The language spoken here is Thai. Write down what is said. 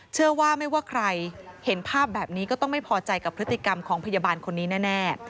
เชื่อว่าไม่ว่าใครเห็นภาพแบบนี้ก็ต้องไม่พอใจกับพฤติกรรมของพยาบาลคนนี้แน่